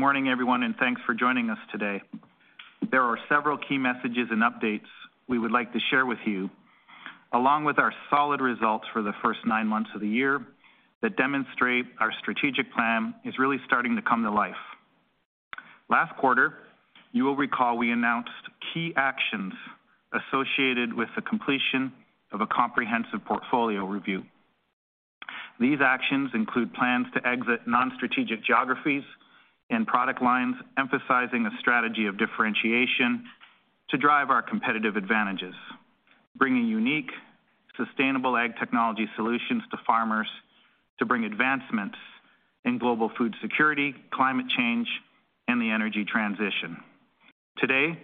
Good morning, everyone, and thanks for joining us today. There are several key messages and updates we would like to share with you, along with our solid results for the first nine months of the year that demonstrate our strategic plan is really starting to come to life. Last quarter, you will recall we announced key actions associated with the completion of a comprehensive portfolio review. These actions include plans to exit non-strategic geographies and product lines, emphasizing a strategy of differentiation to drive our competitive advantages, bringing unique, sustainable ag technology solutions to farmers to bring advancements in global food security, climate change, and the energy transition. Today,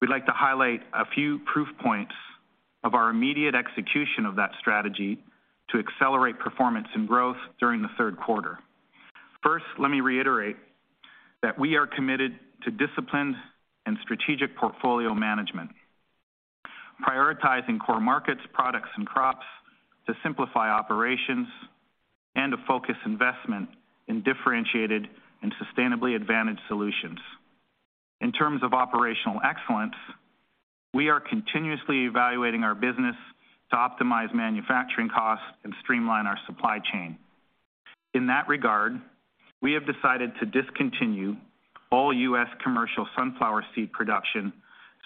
we'd like to highlight a few proof points of our immediate execution of that strategy to accelerate performance and growth during the third quarter. First, let me reiterate that we are committed to disciplined and strategic portfolio management, prioritizing core markets, products and crops to simplify operations and to focus investment in differentiated and sustainably advantaged solutions. In terms of operational excellence, we are continuously evaluating our business to optimize manufacturing costs and streamline our supply chain. In that regard, we have decided to discontinue all U.S. commercial sunflower seed production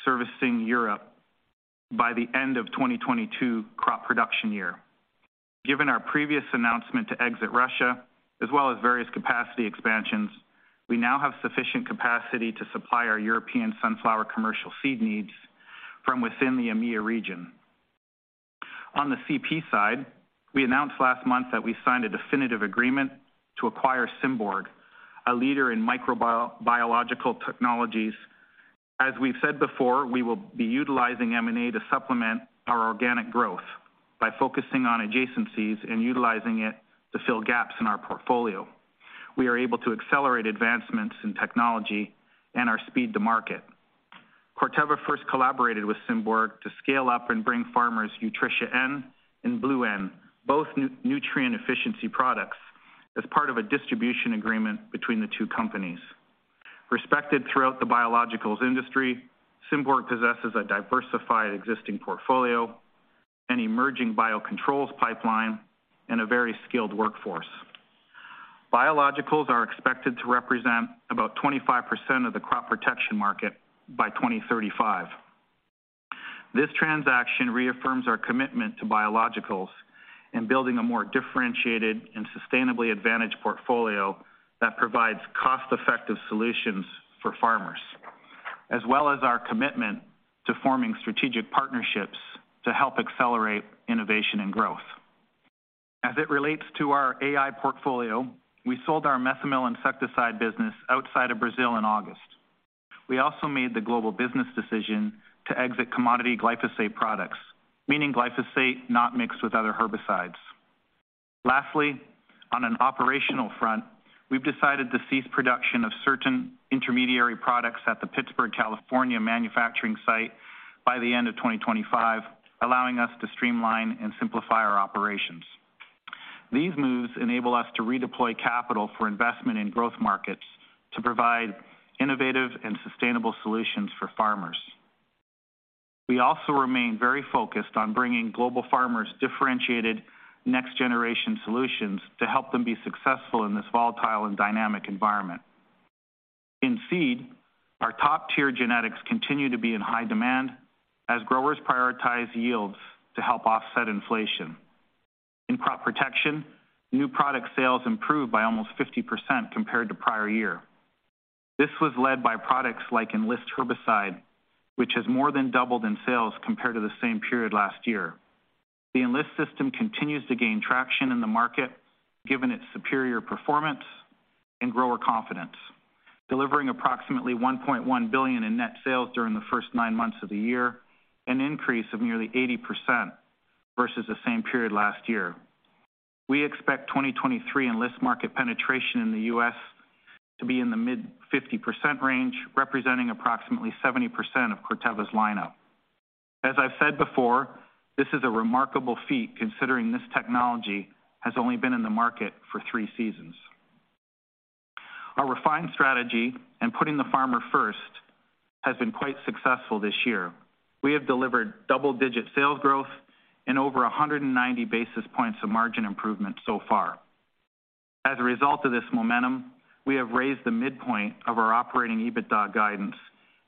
servicing Europe by the end of 2022 crop production year. Given our previous announcement to exit Russia, as well as various capacity expansions, we now have sufficient capacity to supply our European sunflower commercial seed needs from within the EMEIA region. On the CP side, we announced last month that we signed a definitive agreement to acquire Symborg, a leader in microbiological technologies. As we've said before, we will be utilizing M&A to supplement our organic growth by focusing on adjacencies and utilizing it to fill gaps in our portfolio. We are able to accelerate advancements in technology and our speed to market. Corteva first collaborated with Symborg to scale up and bring to farmers Utrisha N and BlueN, both nutrient efficiency products as part of a distribution agreement between the two companies. Respected throughout the biologicals industry, Symborg possesses a diversified existing portfolio, an emerging biocontrols pipeline, and a very skilled workforce. Biologicals are expected to represent about 25% of the crop protection market by 2035. This transaction reaffirms our commitment to biologicals and building a more differentiated and sustainably advantaged portfolio that provides cost-effective solutions for farmers. As well as our commitment to forming strategic partnerships to help accelerate innovation and growth. As it relates to our AIs portfolio, we sold our Methomyl insecticide business outside of Brazil in August. We also made the global business decision to exit commodity glyphosate products, meaning glyphosate not mixed with other herbicides. Lastly, on an operational front, we've decided to cease production of certain intermediary products at the Pittsburg, California, manufacturing site by the end of 2025, allowing us to streamline and simplify our operations. These moves enable us to redeploy capital for investment in growth markets to provide innovative and sustainable solutions for farmers. We also remain very focused on bringing global farmers differentiated next-generation solutions to help them be successful in this volatile and dynamic environment. In seed, our top-tier genetics continue to be in high demand as growers prioritize yields to help offset inflation. In crop protection, new product sales improved by almost 50% compared to prior year. This was led by products like Enlist herbicide, which has more than doubled in sales compared to the same period last year. The Enlist system continues to gain traction in the market, given its superior performance and grower confidence, delivering approximately $1.1 billion in net sales during the first nine months of the year, an increase of nearly 80% versus the same period last year. We expect 2023 Enlist market penetration in the US to be in the mid-50% range, representing approximately 70% of Corteva's lineup. As I've said before, this is a remarkable feat considering this technology has only been in the market for 3 seasons. Our refined strategy and putting the farmer first has been quite successful this year. We have delivered double-digit sales growth and over 190 basis points of margin improvement so far. As a result of this momentum, we have raised the midpoint of our operating EBITDA guidance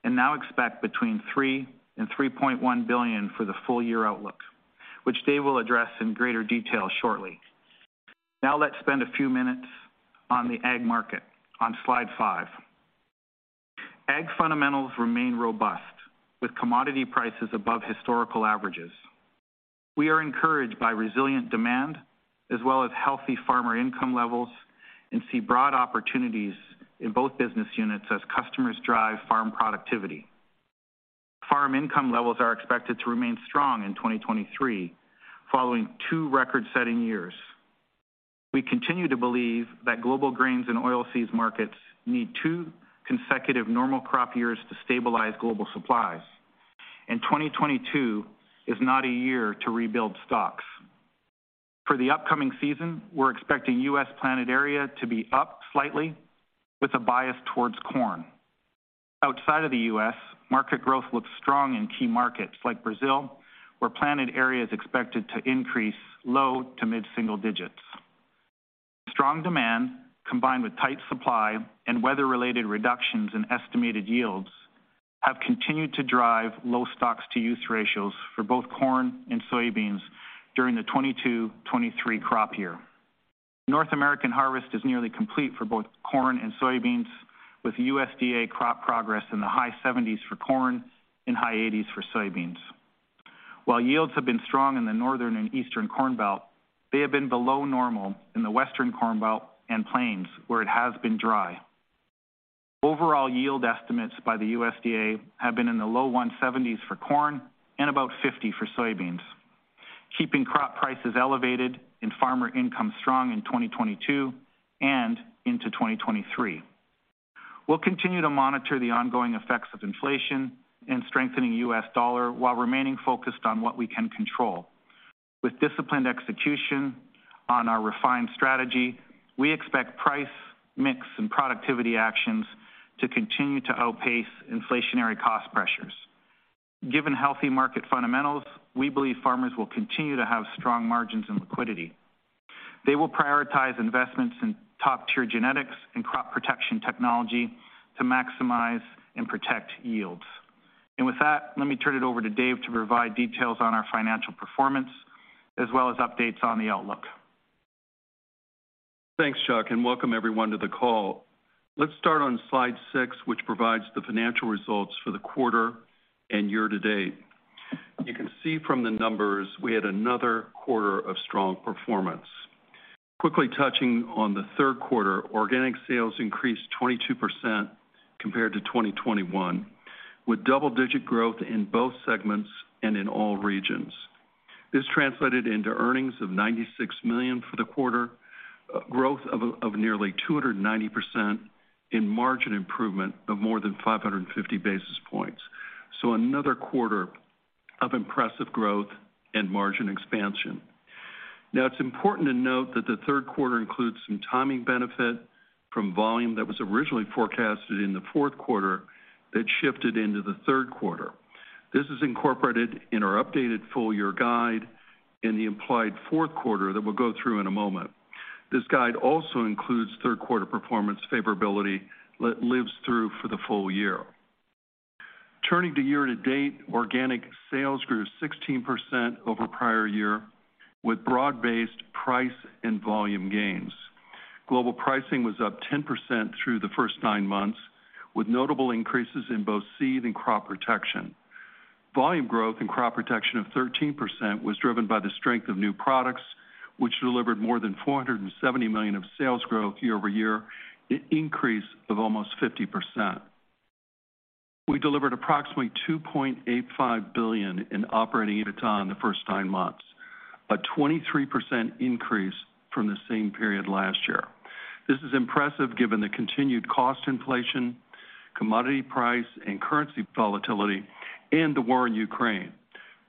and now expect between $3 billion and $3.1 billion for the full year outlook, which Dave will address in greater detail shortly. Now let's spend a few minutes on the ag market on slide 5. Ag fundamentals remain robust with commodity prices above historical averages. We are encouraged by resilient demand as well as healthy farmer income levels and see broad opportunities in both business units as customers drive farm productivity. Farm income levels are expected to remain strong in 2023 following 2 record-setting years. We continue to believe that global grains and oilseeds markets need 2 consecutive normal crop years to stabilize global supplies. 2022 is not a year to rebuild stocks. For the upcoming season, we're expecting U.S. planted area to be up slightly with a bias towards corn. Outside of the U.S., market growth looks strong in key markets like Brazil, where planted area is expected to increase low- to mid-single digits. Strong demand, combined with tight supply and weather-related reductions in estimated yields, have continued to drive low stocks-to-use ratios for both corn and soybeans during the 2022-23 crop year. North American harvest is nearly complete for both corn and soybeans, with USDA crop progress in the high 70s for corn and high 80s for soybeans. While yields have been strong in the Northern and Eastern Corn Belt, they have been below normal in the Western Corn Belt and plains, where it has been dry. Overall yield estimates by the USDA have been in the low 170s for corn and about 50 for soybeans, keeping crop prices elevated and farmer income strong in 2022 and into 2023. We'll continue to monitor the ongoing effects of inflation and strengthening U.S. dollar while remaining focused on what we can control. With disciplined execution on our refined strategy, we expect price, mix, and productivity actions to continue to outpace inflationary cost pressures. Given healthy market fundamentals, we believe farmers will continue to have strong margins and liquidity. They will prioritize investments in top-tier genetics and crop protection technology to maximize and protect yields. With that, let me turn it over to Dave to provide details on our financial performance as well as updates on the outlook. Thanks, Chuck, and welcome everyone to the call. Let's start on slide 6, which provides the financial results for the quarter and year-to-date. You can see from the numbers we had another quarter of strong performance. Quickly touching on the third quarter, organic sales increased 22% compared to 2021, with double-digit growth in both segments and in all regions. This translated into earnings of $96 million for the quarter, growth of nearly 290% in margin improvement of more than 550 basis points. Another quarter of impressive growth and margin expansion. Now, it's important to note that the third quarter includes some timing benefit from volume that was originally forecasted in the fourth quarter that shifted into the third quarter. This is incorporated in our updated full-year guide in the implied fourth quarter that we'll go through in a moment. This guide also includes third quarter performance favorability that lives through for the full year. Turning to year-to-date, organic sales grew 16% over prior year with broad-based price and volume gains. Global pricing was up 10% through the first nine months, with notable increases in both seed and crop protection. Volume growth in crop protection of 13% was driven by the strength of new products, which delivered more than $470 million of sales growth year over year, an increase of almost 50%. We delivered approximately $2.85 billion in operating EBITDA in the first nine months, a 23% increase from the same period last year. This is impressive given the continued cost inflation, commodity price and currency volatility, and the war in Ukraine.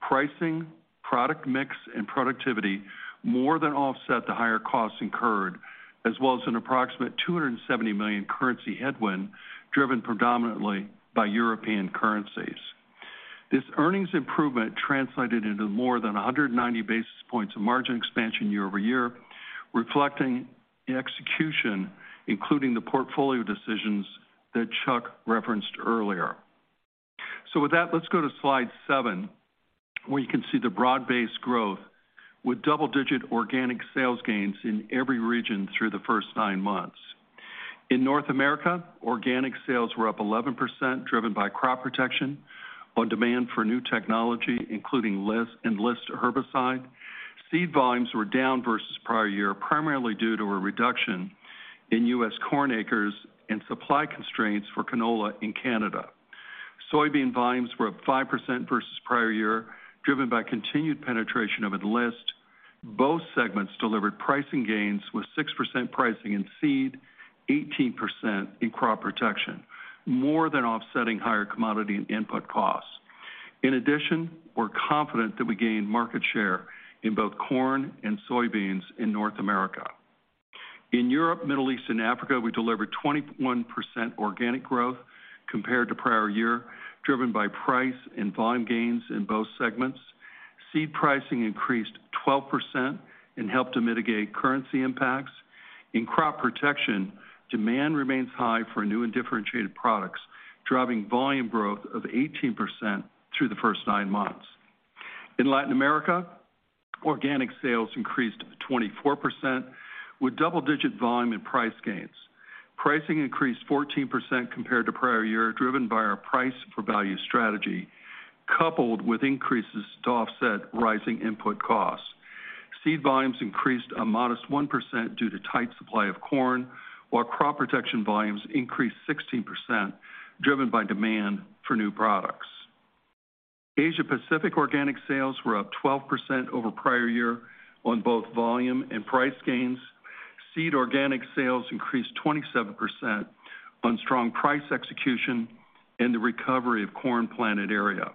Pricing, product mix, and productivity more than offset the higher costs incurred as well as an approximate $270 million currency headwind, driven predominantly by European currencies. This earnings improvement translated into more than 190 basis points of margin expansion year-over-year, reflecting the execution, including the portfolio decisions that Chuck referenced earlier. With that, let's go to slide 7, where you can see the broad-based growth with double-digit organic sales gains in every region through the first 9 months. In North America, organic sales were up 11%, driven by crop protection on demand for new technology, including Enlist herbicide. Seed volumes were down versus prior year, primarily due to a reduction in U.S. corn acres and supply constraints for canola in Canada. Soybean volumes were up 5% versus prior year, driven by continued penetration of Enlist. Both segments delivered pricing gains with 6% pricing in seed, 18% in crop protection, more than offsetting higher commodity and input costs. In addition, we're confident that we gained market share in both corn and soybeans in North America. In Europe, Middle East, and Africa, we delivered 21% organic growth compared to prior year, driven by price and volume gains in both segments. Seed pricing increased 12% and helped to mitigate currency impacts. In crop protection, demand remains high for new and differentiated products, driving volume growth of 18% through the first nine months. In Latin America, organic sales increased 24% with double-digit volume and price gains. Pricing increased 14% compared to prior year, driven by our price for value strategy, coupled with increases to offset rising input costs. Seed volumes increased a modest 1% due to tight supply of corn, while crop protection volumes increased 16%, driven by demand for new products. Asia Pacific organic sales were up 12% over prior year on both volume and price gains. Seed organic sales increased 27% on strong price execution and the recovery of corn planted area.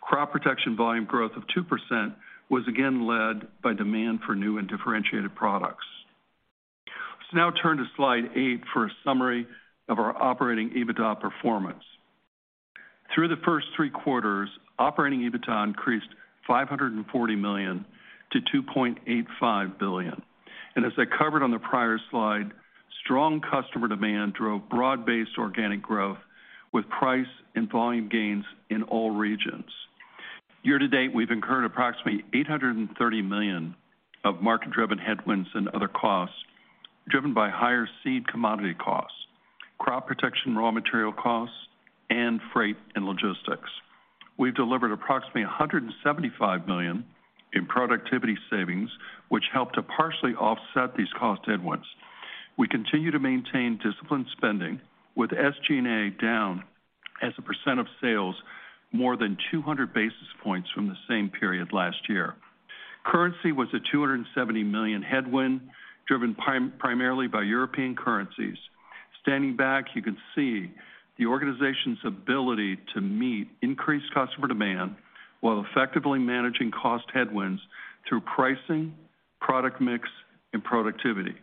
Crop protection volume growth of 2% was again led by demand for new and differentiated products. Let's now turn to slide 8 for a summary of our operating EBITDA performance. Through the first three quarters, operating EBITDA increased $540 million to $2.85 billion. As I covered on the prior slide, strong customer demand drove broad-based organic growth with price and volume gains in all regions. Year-to-date, we've incurred approximately $830 million of market-driven headwinds and other costs driven by higher seed commodity costs, crop protection raw material costs, and freight and logistics. We've delivered approximately $175 million in productivity savings, which helped to partially offset these cost headwinds. We continue to maintain disciplined spending with SG&A down as a percent of sales more than 200 basis points from the same period last year. Currency was a $270 million headwind, driven primarily by European currencies. Standing back, you can see the organization's ability to meet increased customer demand while effectively managing cost headwinds through pricing, product mix, and productivity.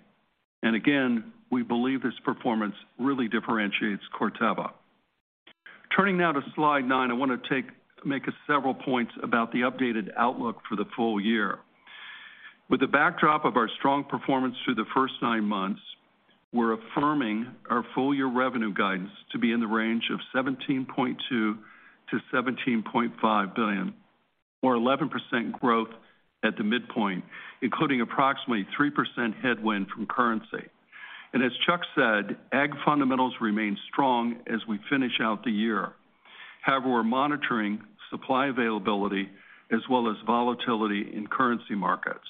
Again, we believe this performance really differentiates Corteva. Turning now to slide nine. I wanna make several points about the updated outlook for the full year. With the backdrop of our strong performance through the first nine months, we're affirming our full-year revenue guidance to be in the range of $17.2 billion-$17.5 billion, or 11% growth at the midpoint, including approximately 3% headwind from currency. As Chuck said, ag fundamentals remain strong as we finish out the year. However, we're monitoring supply availability as well as volatility in currency markets.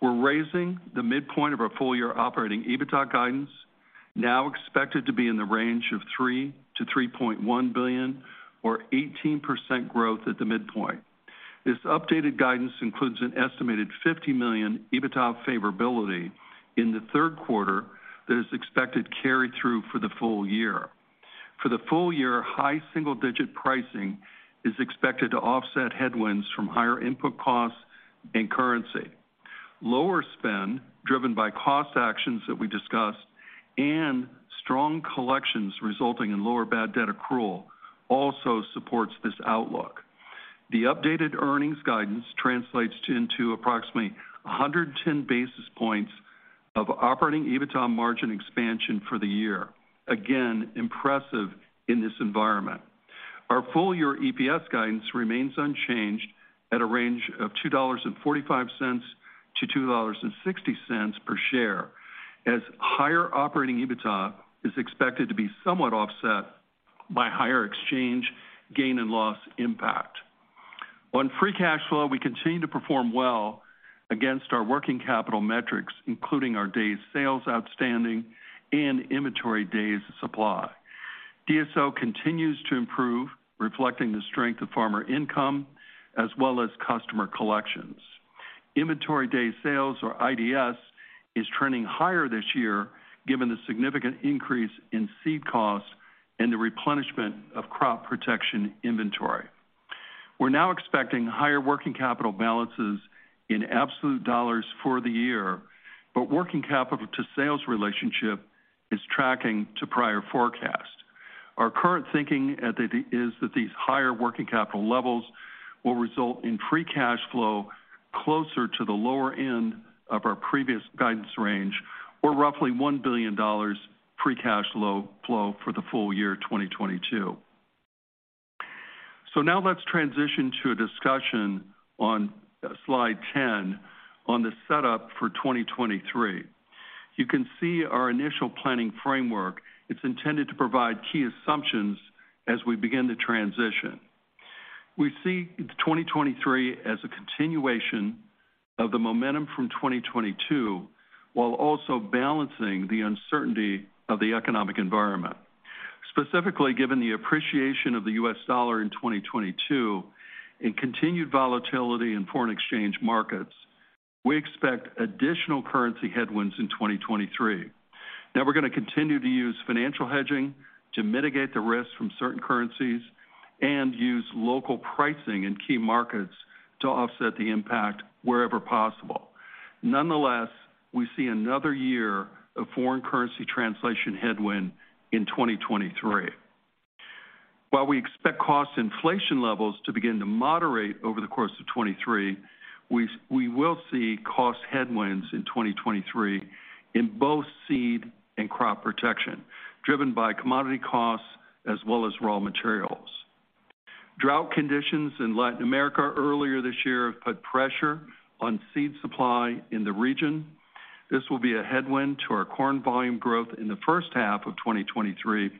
We're raising the midpoint of our full-year operating EBITDA guidance, now expected to be in the range of $3 billion-$3.1 billion or 18% growth at the midpoint. This updated guidance includes an estimated $50 million EBITDA favorability in the third quarter that is expected to carry through for the full year. For the full year, high single-digit pricing is expected to offset headwinds from higher input costs and currency. Lower spend, driven by cost actions that we discussed and strong collections resulting in lower bad debt accrual, also supports this outlook. The updated earnings guidance translates into approximately 110 basis points of operating EBITDA margin expansion for the year. Again, impressive in this environment. Our full-year EPS guidance remains unchanged at a range of $2.45-$2.60 per share, as higher operating EBITDA is expected to be somewhat offset by higher exchange gain and loss impact. On free cash flow, we continue to perform well against our working capital metrics, including our days sales outstanding and inventory days supply. DSO continues to improve, reflecting the strength of farmer income as well as customer collections. Inventory days supply or IDS is trending higher this year given the significant increase in seed costs and the replenishment of crop protection inventory. We're now expecting higher working capital balances in absolute dollars for the year, but working capital to sales relationship is tracking to prior forecast. Our current thinking is that these higher working capital levels will result in free cash flow closer to the lower end of our previous guidance range or roughly $1 billion free cash flow for the full year 2022. Now let's transition to a discussion on slide 10 on the setup for 2023. You can see our initial planning framework. It's intended to provide key assumptions as we begin the transition. We see 2023 as a continuation of the momentum from 2022, while also balancing the uncertainty of the economic environment. Specifically, given the appreciation of the U.S. dollar in 2022 and continued volatility in foreign exchange markets, we expect additional currency headwinds in 2023. Now we're gonna continue to use financial hedging to mitigate the risk from certain currencies and use local pricing in key markets to offset the impact wherever possible. Nonetheless, we see another year of foreign currency translation headwind in 2023. While we expect cost inflation levels to begin to moderate over the course of 2023, we will see cost headwinds in 2023 in both seed and crop protection, driven by commodity costs as well as raw materials. Drought conditions in Latin America earlier this year have put pressure on seed supply in the region. This will be a headwind to our corn volume growth in the first half of 2023,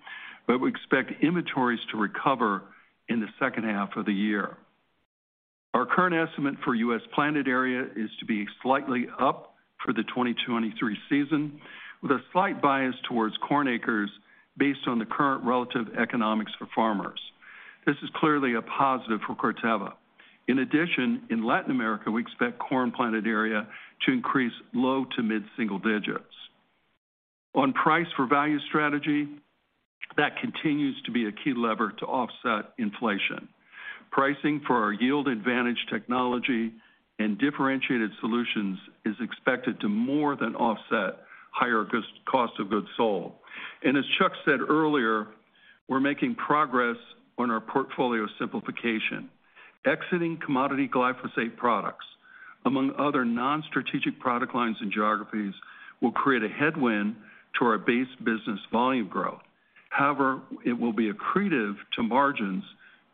but we expect inventories to recover in the second half of the year. Our current estimate for U.S. planted area is to be slightly up for the 2023 season, with a slight bias towards corn acres based on the current relative economics for farmers. This is clearly a positive for Corteva. In addition, in Latin America, we expect corn planted area to increase low- to mid-single digits. On price for value strategy, that continues to be a key lever to offset inflation. Pricing for our yield advantage technology and differentiated solutions is expected to more than offset higher cost of goods sold. As Chuck said earlier, we're making progress on our portfolio simplification. Exiting commodity glyphosate products, among other non-strategic product lines and geographies, will create a headwind to our base business volume growth. However, it will be accretive to margins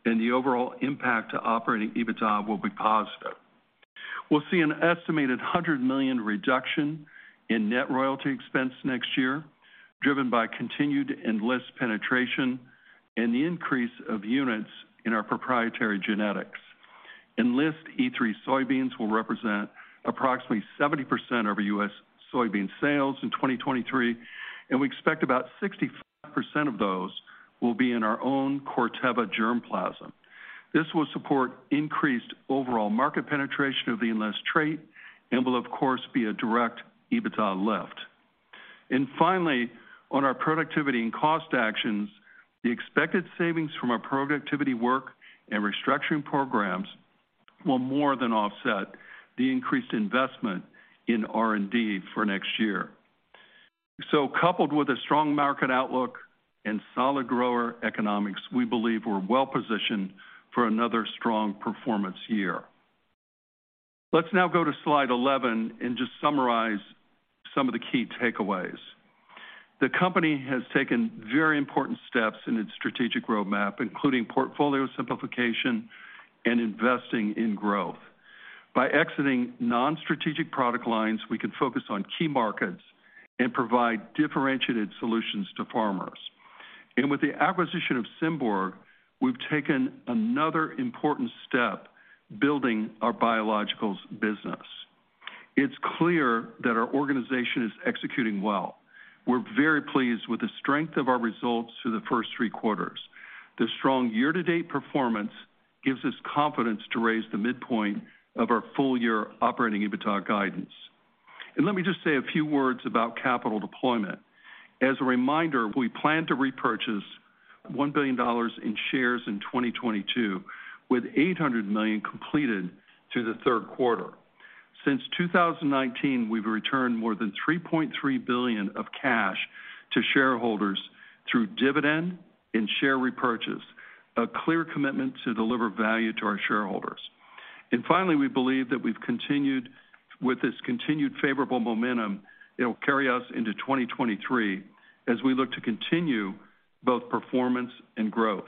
and the overall impact to operating EBITDA will be positive. We'll see an estimated $100 million reduction in net royalty expense next year, driven by continued Enlist penetration and the increase of units in our proprietary genetics. Enlist E3 soybeans will represent approximately 70% of U.S. soybean sales in 2023, and we expect about 65% of those will be in our own Corteva germplasm. This will support increased overall market penetration of the Enlist trait and will, of course, be a direct EBITDA lift. Finally, on our productivity and cost actions, the expected savings from our productivity work and restructuring programs will more than offset the increased investment in R&D for next year. Coupled with a strong market outlook and solid grower economics, we believe we're well-positioned for another strong performance year. Let's now go to slide 11 and just summarize some of the key takeaways. The company has taken very important steps in its strategic roadmap, including portfolio simplification and investing in growth. By exiting non-strategic product lines, we can focus on key markets and provide differentiated solutions to farmers. With the acquisition of Symborg, we've taken another important step building our biologicals business. It's clear that our organization is executing well. We're very pleased with the strength of our results through the first three quarters. The strong year-to-date performance gives us confidence to raise the midpoint of our full-year operating EBITDA guidance. Let me just say a few words about capital deployment. As a reminder, we plan to repurchase $1 billion in shares in 2022, with $800 million completed through the third quarter. Since 2019, we've returned more than $3.3 billion of cash to shareholders through dividend and share repurchase, a clear commitment to deliver value to our shareholders. Finally, we believe that we've continued with this favorable momentum, it'll carry us into 2023 as we look to continue both performance and growth.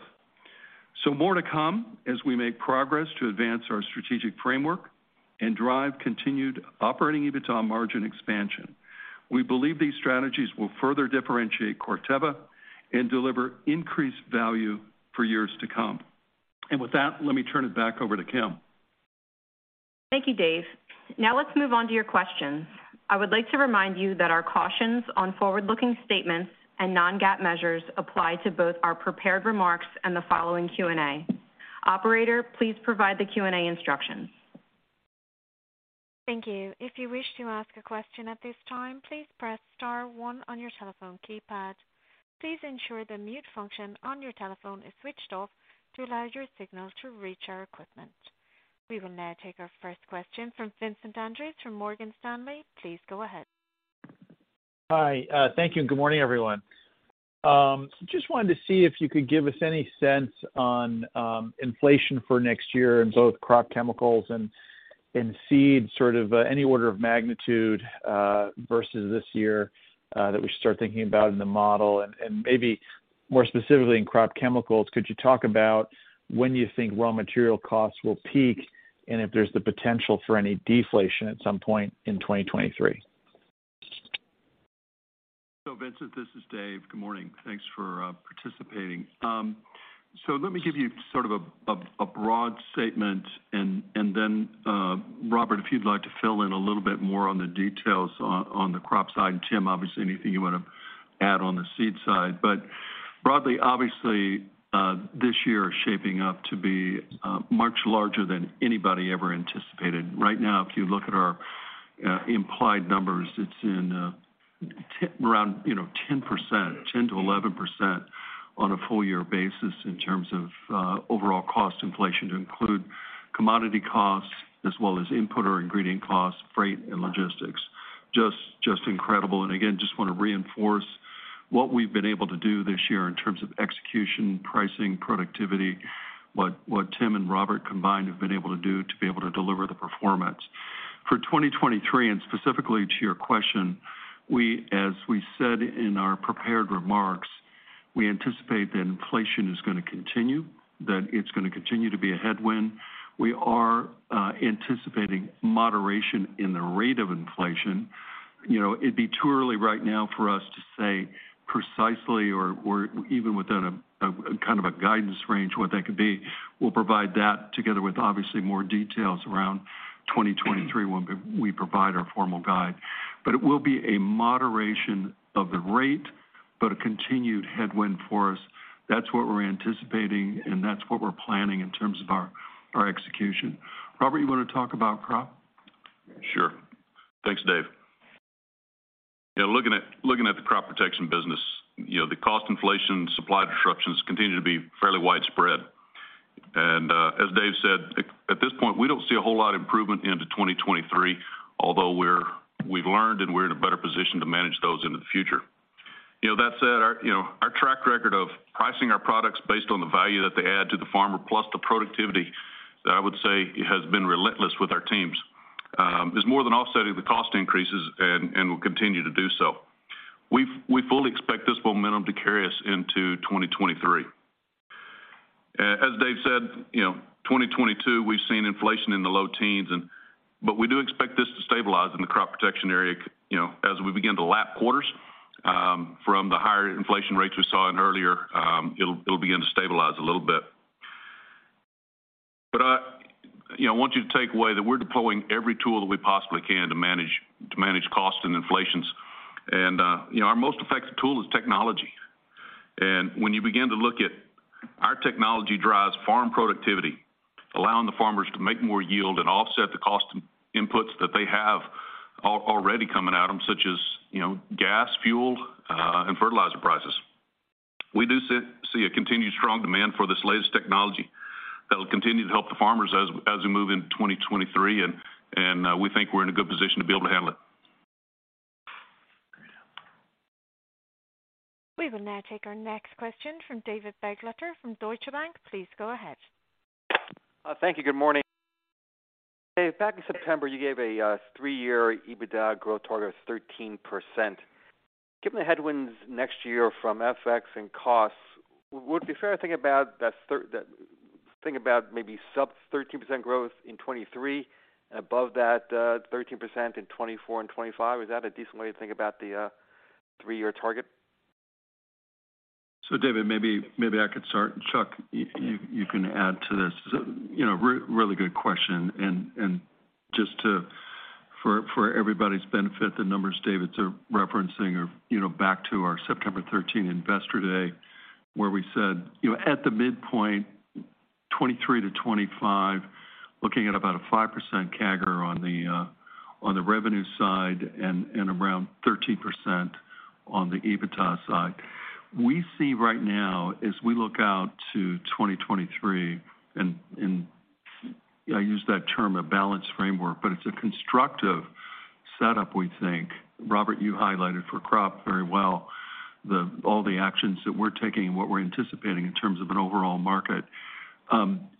More to come as we make progress to advance our strategic framework and drive continued operating EBITDA margin expansion. We believe these strategies will further differentiate Corteva and deliver increased value for years to come. With that, let me turn it back over to Kim. Thank you, Dave. Now let's move on to your questions. I would like to remind you that our cautions on forward-looking statements and non-GAAP measures apply to both our prepared remarks and the following Q&A. Operator, please provide the Q&A instructions. Thank you. If you wish to ask a question at this time, please press star one on your telephone keypad. Please ensure the mute function on your telephone is switched off to allow your signal to reach our equipment. We will now take our first question from Vincent Andrews from Morgan Stanley. Please go ahead. Hi. Thank you, and good morning, everyone. Just wanted to see if you could give us any sense on inflation for next year in both crop chemicals and seed, sort of, any order of magnitude versus this year that we should start thinking about in the model, and maybe more specifically in crop chemicals, could you talk about when you think raw material costs will peak, and if there's the potential for any deflation at some point in 2023? Vincent, this is Dave. Good morning. Thanks for participating. Let me give you sort of a broad statement and then, Robert, if you'd like to fill in a little bit more on the details on the crop side, and Tim, obviously anything you wanna add on the seed side. Broadly, obviously, this year is shaping up to be much larger than anybody ever anticipated. Right now, if you look at our implied numbers, it's around, you know, 10%, 10%-11% on a full year basis in terms of overall cost inflation to include commodity costs as well as input or ingredient costs, freight and logistics. Just incredible. Again, just wanna reinforce what we've been able to do this year in terms of execution, pricing, productivity, what Tim and Robert combined have been able to do to be able to deliver the performance. For 2023, specifically to your question, we, as we said in our prepared remarks, we anticipate that inflation is gonna continue, that it's gonna continue to be a headwind. We are anticipating moderation in the rate of inflation. You know, it'd be too early right now for us to say precisely or even within a kind of a guidance range what that could be. We'll provide that together with obviously more details around 2023 when we provide our formal guide. It will be a moderation of the rate, but a continued headwind for us. That's what we're anticipating, and that's what we're planning in terms of our execution. Robert, you wanna talk about crop? Sure. Thanks, Dave. You know, looking at the crop protection business, you know, the cost inflation, supply disruptions continue to be fairly widespread. As Dave said, at this point, we don't see a whole lot improvement into 2023, although we've learned and we're in a better position to manage those into the future. You know, that said, our, you know, our track record of pricing our products based on the value that they add to the farmer, plus the productivity, I would say it has been relentless with our teams. It's more than offsetting the cost increases and will continue to do so. We fully expect this momentum to carry us into 2023. As Dave said, you know, 2022, we've seen inflation in the low teens%. We do expect this to stabilize in the crop protection area, you know. As we begin to lap quarters from the higher inflation rates we saw in earlier, it'll begin to stabilize a little bit. You know, I want you to take away that we're deploying every tool that we possibly can to manage costs and inflations. You know, our most effective tool is technology. When you begin to look at our technology drives farm productivity, allowing the farmers to make more yield and offset the cost inputs that they have already coming at them, such as, you know, gas, fuel and fertilizer prices. We do see a continued strong demand for this latest technology that will continue to help the farmers as we move into 2023, and we think we're in a good position to be able to handle it. We will now take our next question from David Begleiter from Deutsche Bank. Please go ahead. Thank you. Good morning. Dave, back in September, you gave a three-year EBITDA growth target of 13%. Given the headwinds next year from FX and costs, would it be fair to think about maybe sub 13% growth in 2023, above that, 13% in 2024 and 2025? Is that a decent way to think about the three-year target? David, maybe I could start. Chuck, you can add to this. You know, really good question. For everybody's benefit, the numbers David's referencing are, you know, back to our September 13 investor day, where we said, you know, at the midpoint, 2023-2025, looking at about a 5% CAGR on the revenue side and around 13% on the EBITDA side. We see right now as we look out to 2023, I use that term a balanced framework, but it's a constructive setup, we think. Robert, you highlighted for crop very well, all the actions that we're taking and what we're anticipating in terms of an overall market.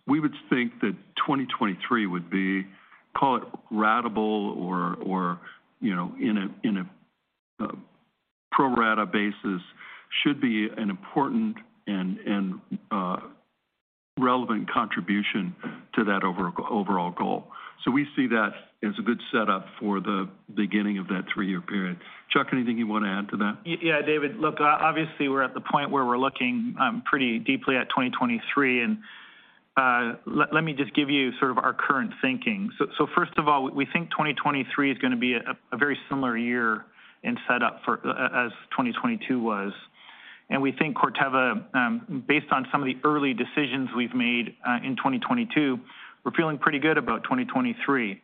We would think that 2023 would be, call it ratable or, you know, in a pro rata basis should be an important and relevant contribution to that overall goal. We see that as a good setup for the beginning of that three-year period. Chuck, anything you wanna add to that? Yeah. David, look, obviously, we're at the point where we're looking pretty deeply at 2023 and let me just give you sort of our current thinking. First of all, we think 2023 is gonna be a very similar year and set up for as 2022 was. We think Corteva, based on some of the early decisions we've made in 2022, we're feeling pretty good about 2023.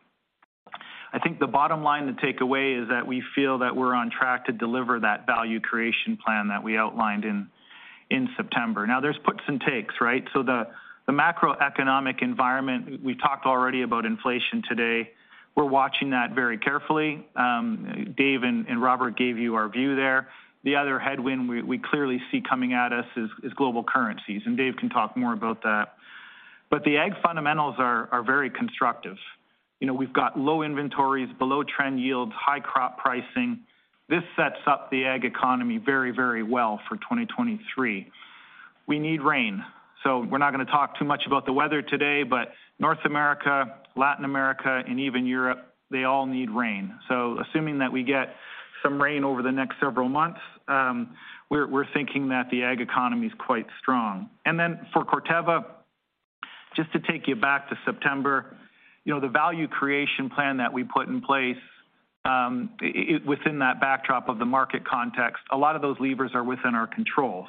I think the bottom line to take away is that we feel that we're on track to deliver that value creation plan that we outlined in September. Now there's puts and takes, right? The macroeconomic environment, we've talked already about inflation today. We're watching that very carefully. Dave and Robert gave you our view there. The other headwind we clearly see coming at us is global currencies, and Dave can talk more about that. The ag fundamentals are very constructive. You know, we've got low inventories, below-trend yields, high crop pricing. This sets up the ag economy very, very well for 2023. We need rain. We're not gonna talk too much about the weather today, but North America, Latin America, and even Europe, they all need rain. Assuming that we get some rain over the next several months, we're thinking that the ag economy is quite strong. Then for Corteva, just to take you back to September, you know, the value creation plan that we put in place, within that backdrop of the market context, a lot of those levers are within our control.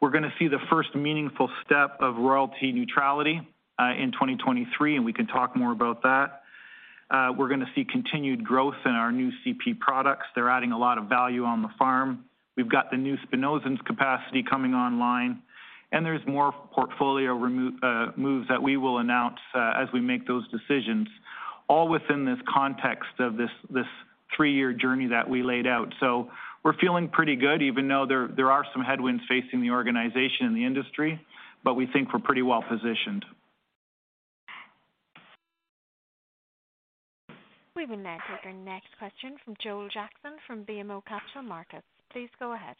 We're gonna see the first meaningful step of royalty neutrality in 2023, and we can talk more about that. We're gonna see continued growth in our new CP products. They're adding a lot of value on the farm. We've got the new Spinosyns capacity coming online. There's more portfolio moves that we will announce as we make those decisions, all within this context of this three-year journey that we laid out. We're feeling pretty good, even though there are some headwinds facing the organization and the industry, but we think we're pretty well positioned. We will now take our next question from Joel Jackson from BMO Capital Markets. Please go ahead.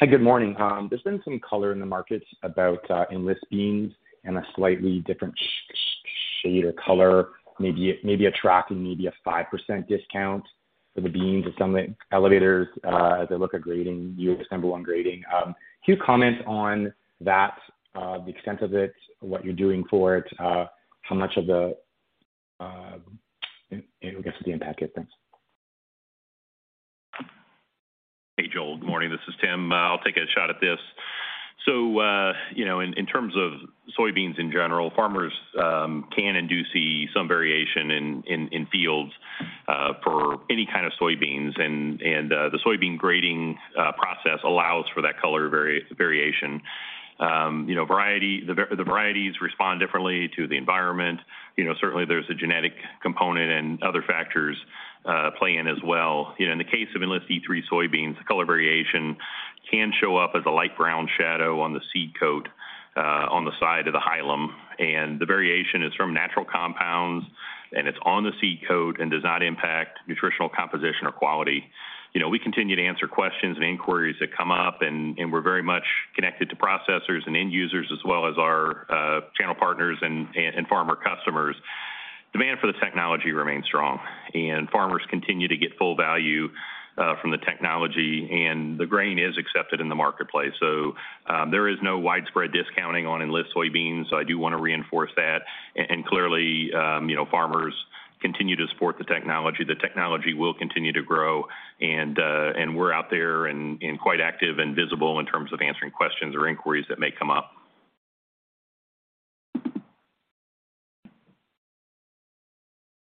Hi, good morning. There's been some color in the markets about Enlist beans and a slightly different shade or color, maybe attracting a 5% discount for the beans and some of the elevators, as they look at grading, yellow on grading. Can you comment on that, the extent of it, what you're doing for it, how much of the, and I guess the impact it has? Hey, Joel, good morning. This is Tim. I'll take a shot at this. You know, in terms of soybeans in general, farmers can and do see some variation in fields for any kind of soybeans. The soybean grading process allows for that color variation. The varieties respond differently to the environment. You know, certainly there's a genetic component and other factors play in as well. You know, in the case of Enlist E3 soybeans, color variation can show up as a light brown shadow on the seed coat on the side of the hilum. The variation is from natural compounds, and it's on the seed coat and does not impact nutritional composition or quality. You know, we continue to answer questions and inquiries that come up, and we're very much connected to processors and end users as well as our channel partners and farmer customers. Demand for this technology remains strong, and farmers continue to get full value from the technology, and the grain is accepted in the marketplace. There is no widespread discounting on Enlist soybeans. I do wanna reinforce that. Clearly, you know, farmers continue to support the technology. The technology will continue to grow and we're out there and quite active and visible in terms of answering questions or inquiries that may come up.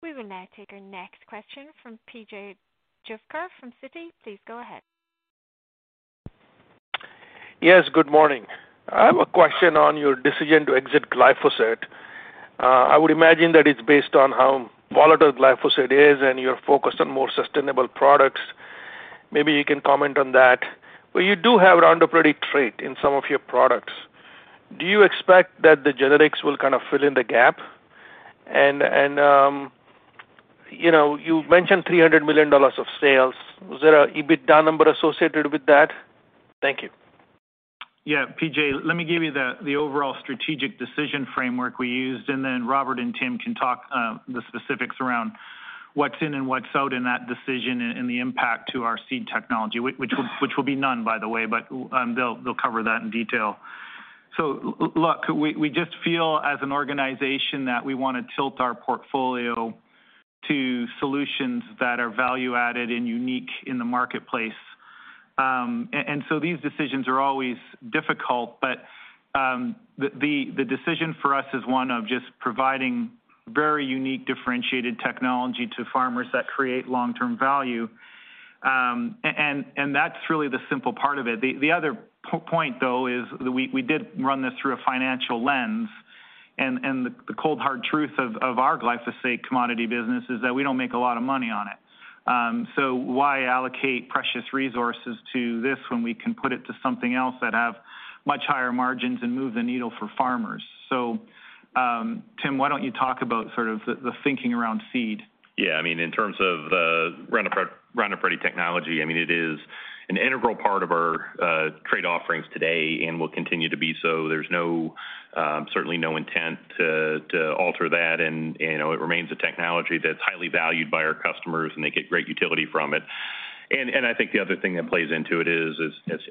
We will now take our next question from P.J. Juvekar from Citi. Please go ahead. Yes, good morning. I have a question on your decision to exit glyphosate. I would imagine that it's based on how volatile glyphosate is and you're focused on more sustainable products. Maybe you can comment on that. You do have Roundup Ready trait in some of your products. Do you expect that the generics will kind of fill in the gap? You know, you mentioned $300 million of sales. Was there an EBITDA number associated with that? Thank you. Yeah, PJ, let me give you the overall strategic decision framework we used, and then Robert and Tim can talk the specifics around what's in and what's out in that decision and the impact to our seed technology, which will be none by the way. They'll cover that in detail. Look, we just feel as an organization that we wanna tilt our portfolio to solutions that are value-added and unique in the marketplace. These decisions are always difficult, but the decision for us is one of just providing very unique differentiated technology to farmers that create long-term value. That's really the simple part of it. The other point though is we did run this through a financial lens and the cold hard truth of our glyphosate commodity business is that we don't make a lot of money on it. So why allocate precious resources to this when we can put it to something else that have much higher margins and move the needle for farmers? Tim, why don't you talk about sort of the thinking around seed? Yeah. I mean, in terms of Roundup Ready Technology, I mean, it is an integral part of our trait offerings today and will continue to be so. There's certainly no intent to alter that. You know, it remains a technology that's highly valued by our customers, and they get great utility from it. I think the other thing that plays into it is,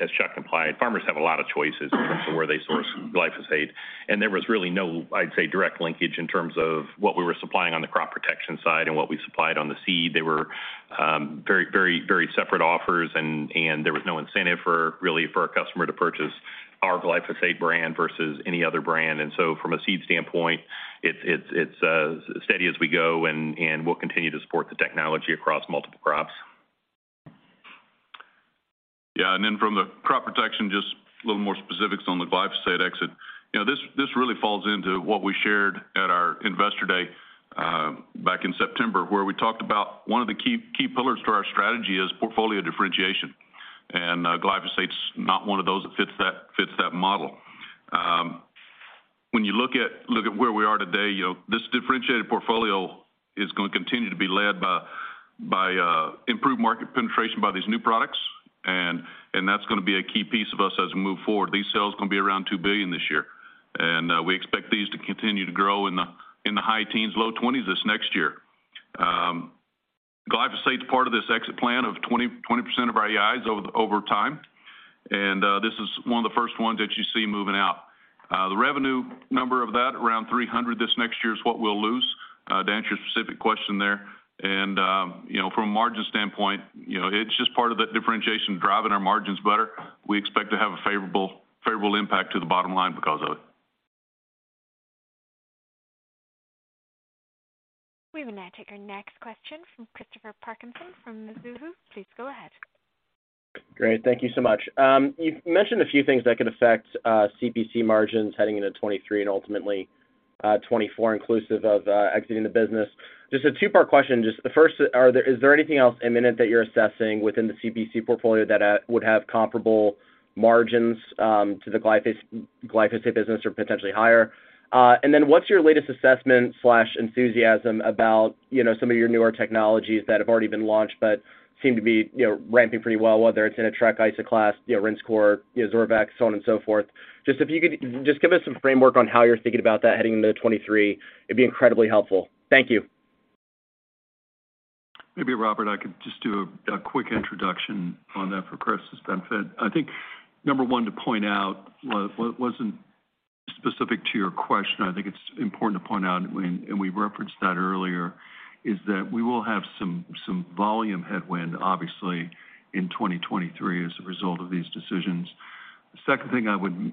as Chuck implied, farmers have a lot of choices in terms of where they source glyphosate. There was really no, I'd say, direct linkage in terms of what we were supplying on the crop protection side and what we supplied on the seed. They were very separate offers and there was no incentive really for a customer to purchase our glyphosate brand versus any other brand. From a seed standpoint, it's steady as we go, and we'll continue to support the technology across multiple crops. Yeah. From the crop protection, just a little more specifics on the glyphosate exit. You know, this really falls into what we shared at our Investor Day back in September, where we talked about one of the key pillars to our strategy is portfolio differentiation. Glyphosate's not one of those that fits that model. When you look at where we are today, you know, this differentiated portfolio is gonna continue to be led by improved market penetration by these new products and that's gonna be a key piece of us as we move forward. These sales are gonna be around $2 billion this year, and we expect these to continue to grow in the high teens%-low 20s% this next year. Glyphosate's part of this exit plan of 20% of our AIs over time. This is one of the first ones that you see moving out. The revenue number of that, around $300 this next year is what we'll lose, to answer your specific question there. You know, from a margin standpoint, you know, it's just part of that differentiation, driving our margins better. We expect to have a favorable impact to the bottom line because of it. We will now take our next question from Christopher Parkinson from Mizuho. Please go ahead. Great. Thank you so much. You've mentioned a few things that could affect CP margins heading into 2023 and ultimately 2024, inclusive of exiting the business. Just a two-part question. Just the first, is there anything else imminent that you're assessing within the CP portfolio that would have comparable margins to the glyphosate business or potentially higher? And then what's your latest assessment or enthusiasm about, you know, some of your newer technologies that have already been launched but seem to be, you know, ramping pretty well, whether it's Arylex, Isoclast, you know, Rinskor, you know, Zorvec, so on and so forth. Just if you could just give us some framework on how you're thinking about that heading into 2023, it'd be incredibly helpful. Thank you. Maybe Robert, I could just do a quick introduction on that for Chris's benefit. I think number one to point out wasn't specific to your question. I think it's important to point out, and we referenced that earlier, is that we will have some volume headwind, obviously, in 2023 as a result of these decisions. The second thing I would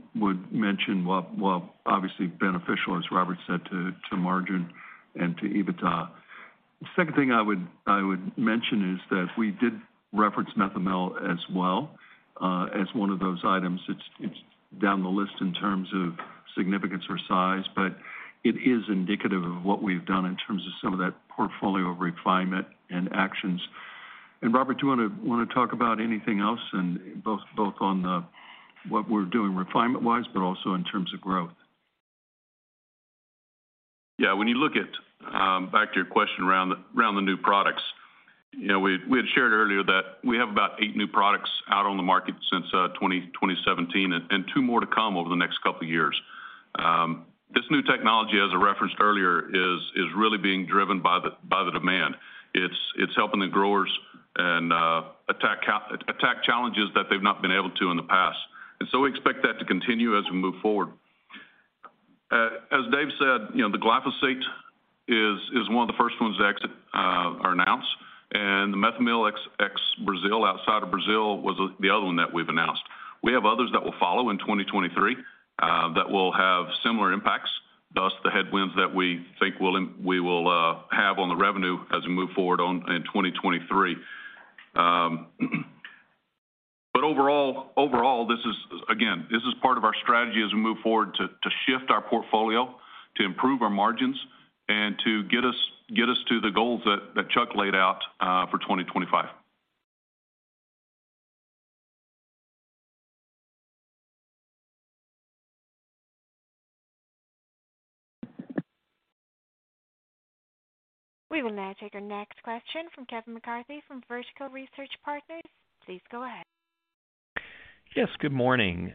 mention, while obviously beneficial, as Robert said to margin and to EBITDA. The second thing I would mention is that we did reference Methomyl as well, as one of those items. It's down the list in terms of significance or size, but it is indicative of what we've done in terms of some of that portfolio refinement and actions. Robert, do you want to talk about anything else and both on the what we're doing refinement-wise, but also in terms of growth? Yeah. When you look at back to your question around the new products, you know, we had shared earlier that we have about eight new products out on the market since 2017 and two more to come over the next couple of years. This new technology, as I referenced earlier, is really being driven by the demand. It's helping the growers and attack challenges that they've not been able to in the past. We expect that to continue as we move forward. As Dave said, you know, the glyphosate is one of the first ones to exit, are announced, and the Methomyl ex-Brazil, outside of Brazil was the other one that we've announced. We have others that will follow in 2023 that will have similar impacts, thus the headwinds that we think we will have on the revenue as we move forward in 2023. Overall, this is, again, part of our strategy as we move forward to shift our portfolio, to improve our margins, and to get us to the goals that Chuck laid out for 2025. We will now take our next question from Kevin McCarthy from Vertical Research Partners. Please go ahead. Yes, good morning.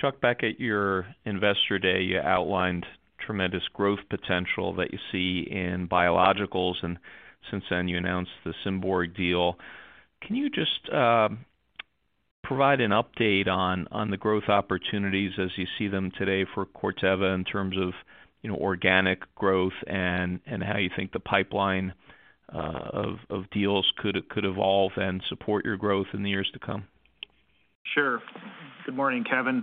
Chuck, back at your Investor Day, you outlined tremendous growth potential that you see in biologicals. Since then, you announced the Symborg deal. Can you just provide an update on the growth opportunities as you see them today for Corteva in terms of, you know, organic growth and how you think the pipeline of deals could evolve and support your growth in the years to come? Sure. Good morning, Kevin.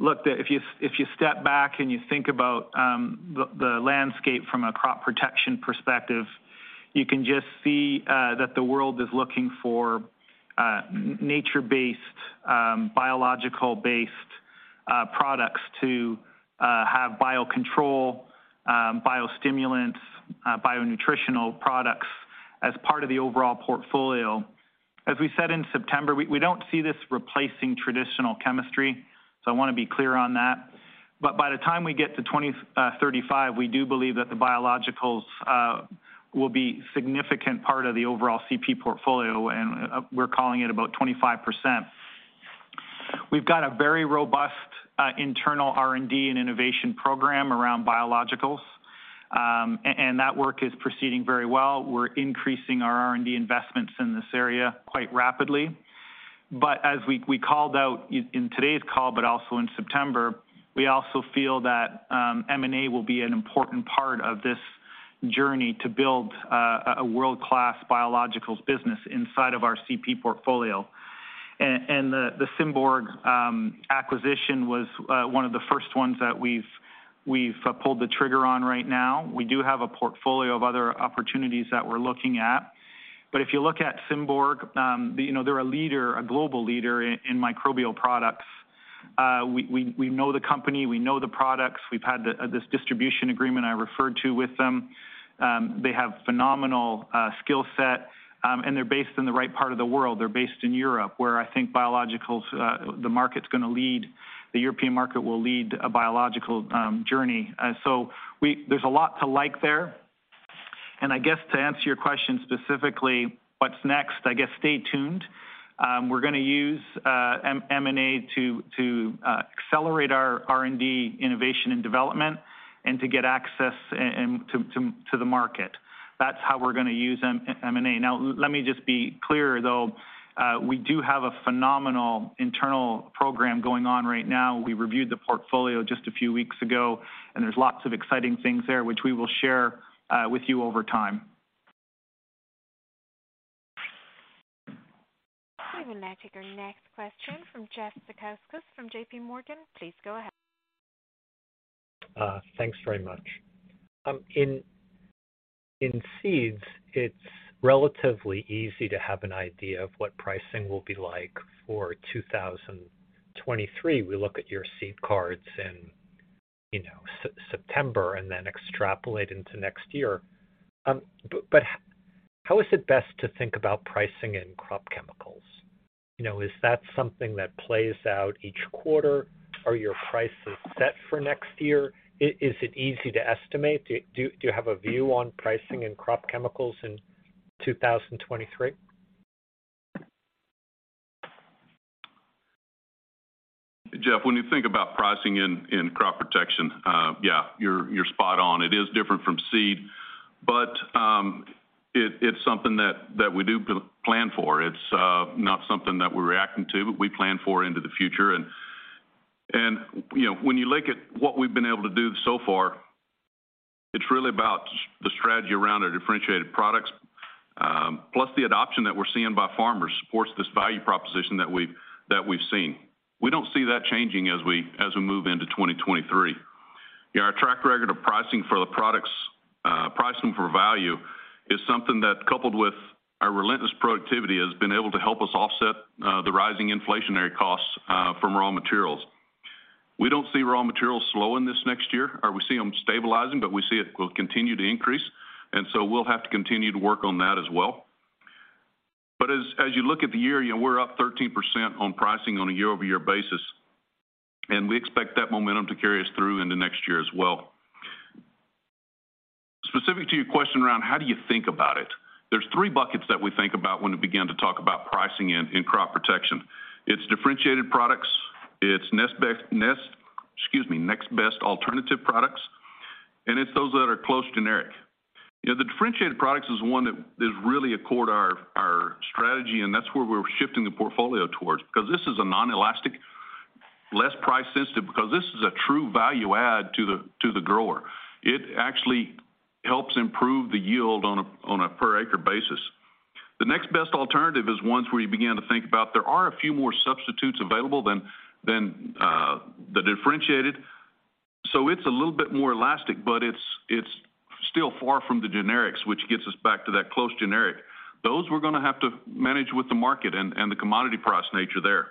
Look, if you step back and you think about the landscape from a crop protection perspective, you can just see that the world is looking for nature-based biological based products to have biocontrol biostimulants, bionutritional products as part of the overall portfolio. As we said in September, we don't see this replacing traditional chemistry, so I want to be clear on that. By the time we get to 2035, we do believe that the biologicals will be significant part of the overall CP portfolio, and we're calling it about 25%. We've got a very robust internal R&D and innovation program around biologicals, and that work is proceeding very well. We're increasing our R&D investments in this area quite rapidly. As we called out in today's call, but also in September, we also feel that M&A will be an important part of this journey to build a world-class biologicals business inside of our CP portfolio. The Symborg acquisition was one of the first ones that we've pulled the trigger on right now. We do have a portfolio of other opportunities that we're looking at. If you look at Symborg, you know, they're a leader, a global leader in microbial products. We know the company, we know the products. We've had this distribution agreement I referred to with them. They have phenomenal skill set and they're based in the right part of the world. They're based in Europe, where I think biologicals, the market's gonna lead, the European market will lead a biological journey. There's a lot to like there. I guess to answer your question specifically, what's next? I guess stay tuned. We're gonna use M&A to accelerate our R&D innovation and development and to get access to the market. That's how we're gonna use M&A. Now let me just be clear, though, we do have a phenomenal internal program going on right now. We reviewed the portfolio just a few weeks ago, and there's lots of exciting things there which we will share with you over time. We will now take our next question from Jeffrey Zekauskas from J.P. Morgan. Please go ahead. Thanks very much. In seeds, it's relatively easy to have an idea of what pricing will be like for 2023. We look at your seed cards in, you know, September and then extrapolate into next year. How is it best to think about pricing in crop chemicals? You know, is that something that plays out each quarter? Are your prices set for next year? Is it easy to estimate? Do you have a view on pricing in crop chemicals in 2023? Jeff, when you think about pricing in crop protection, yeah, you're spot on. It is different from seed, but it's something that we do plan for. It's not something that we're reacting to, but we plan for into the future. You know, when you look at what we've been able to do so far, it's really about the strategy around our differentiated products, plus the adoption that we're seeing by farmers supports this value proposition that we've seen. We don't see that changing as we move into 2023. Our track record of pricing for the products, pricing for value is something that, coupled with our relentless productivity, has been able to help us offset the rising inflationary costs from raw materials. We don't see raw materials slowing this next year, or we see them stabilizing, but we see it will continue to increase, and so we'll have to continue to work on that as well. As you look at the year, you know, we're up 13% on pricing on a year-over-year basis, and we expect that momentum to carry us through into next year as well. Specific to your question around how do you think about it, there's three buckets that we think about when we begin to talk about pricing in crop protection. It's differentiated products, it's next best alternative products, and it's those that are close generic. You know, the differentiated products is one that is really a core to our strategy, and that's where we're shifting the portfolio towards because this is an inelastic, less price sensitive because this is a true value add to the grower. It actually helps improve the yield on a per acre basis. The next best alternative is ones where you begin to think about there are a few more substitutes available than the differentiated. So it's a little bit more elastic, but it's still far from the generics, which gets us back to that close generic. Those we're gonna have to manage with the market and the commodity price nature there.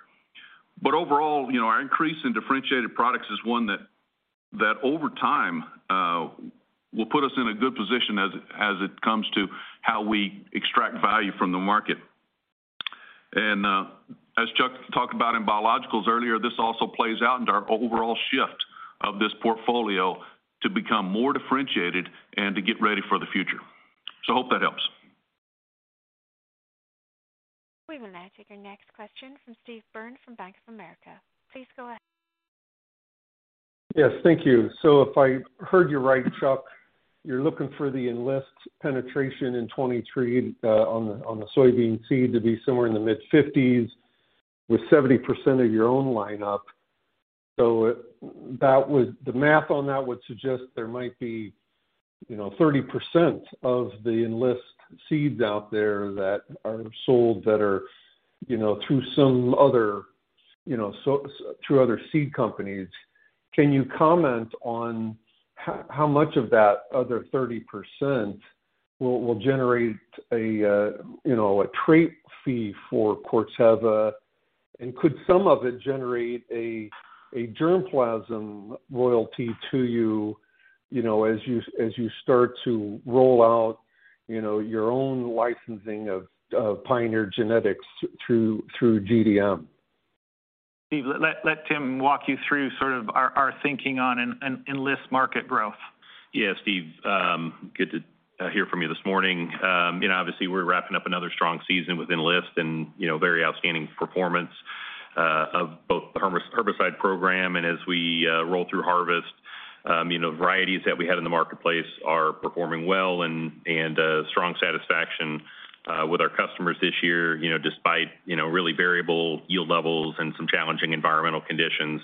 Overall, you know, our increase in differentiated products is one that over time will put us in a good position as it comes to how we extract value from the market. As Chuck talked about in biologicals earlier, this also plays out into our overall shift of this portfolio to become more differentiated and to get ready for the future. I hope that helps. We will now take our next question from Steve Byrne from Bank of America. Please go ahead. Yes, thank you. If I heard you right, Chuck, you're looking for the Enlist penetration in 2023 on the soybean seed to be somewhere in the mid-50s with 70% of your own lineup. The math on that would suggest there might be, you know, 30% of the Enlist seeds out there that are sold, you know, through other seed companies. Can you comment on how much of that other 30% will generate a trait fee for Corteva? And could some of it generate a germplasm royalty to you know, as you start to roll out, you know, your own licensing of Pioneer genetics through GDM? Steve, let Tim walk you through sort of our thinking on Enlist market growth. Yeah, Steve, good to hear from you this morning. You know, obviously we're wrapping up another strong season with Enlist and, you know, very outstanding performance of both the herbicide program and as we roll through harvest, you know, varieties that we had in the marketplace are performing well and strong satisfaction with our customers this year, you know, despite really variable yield levels and some challenging environmental conditions.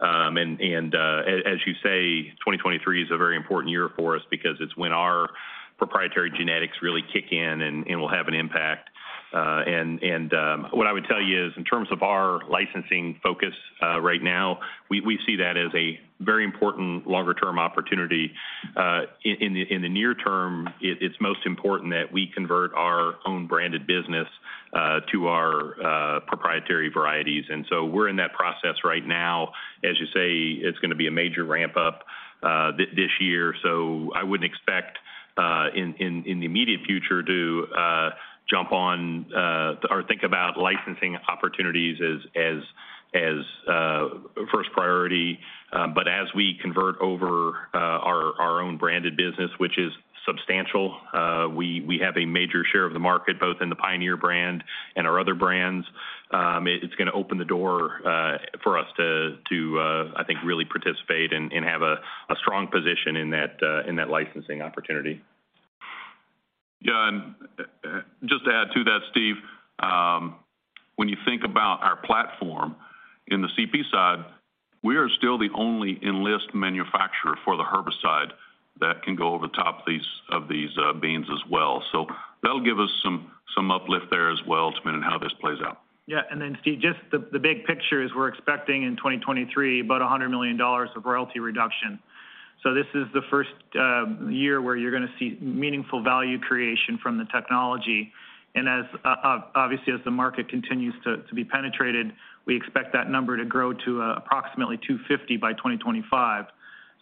As you say, 2023 is a very important year for us because it's when our proprietary genetics really kick in and will have an impact. What I would tell you is in terms of our licensing focus, right now, we see that as a very important longer term opportunity. In the near term, it's most important that we convert our own branded business to our proprietary varieties. We're in that process right now. As you say, it's gonna be a major ramp up this year. I wouldn't expect in the immediate future to jump on or think about licensing opportunities as first priority. But as we convert over our own branded business, which is substantial, we have a major share of the market, both in the Pioneer brand and our other brands. It's gonna open the door for us to, I think, really participate and have a strong position in that licensing opportunity. Just to add to that, Steve, when you think about our platform in the CP side, we are still the only Enlist manufacturer for the herbicide that can go over the top of these beans as well. That'll give us some uplift there as well depending on how this plays out. Yeah. Then Steve, just the big picture is we're expecting in 2023 about $100 million of royalty reduction. This is the first year where you're gonna see meaningful value creation from the technology. As obviously, as the market continues to be penetrated, we expect that number to grow to approximately 250 by 2025.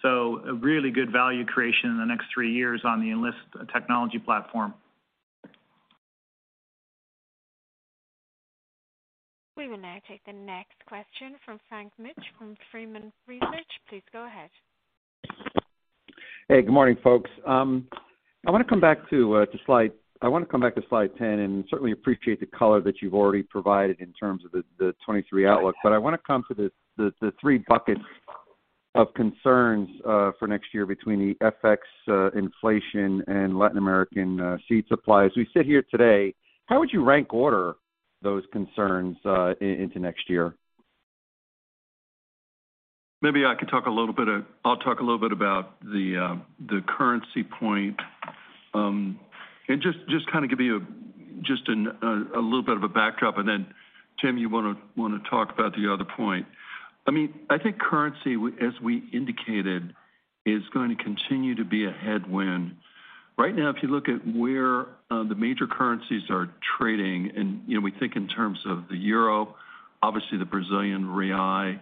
A really good value creation in the next three years on the Enlist technology platform. We will now take the next question from Frank Mitsch from Fermium Research. Please go ahead. Hey, good morning, folks. I wanna come back to slide 10 and certainly appreciate the color that you've already provided in terms of the 2023 outlook. I wanna come to the three buckets of concerns for next year between the FX, inflation and Latin American seed supply. As we sit here today, how would you rank order those concerns into next year? Maybe I could talk a little bit. I'll talk a little bit about the currency point and just kinda give you a little bit of a backdrop and then Tim, you wanna talk about the other point. I mean, I think currency, as we indicated, is going to continue to be a headwind. Right now, if you look at where the major currencies are trading and, you know, we think in terms of the euro, obviously the Brazilian real,